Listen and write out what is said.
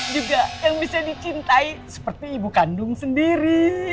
juga yang bisa dicintai seperti ibu kandung sendiri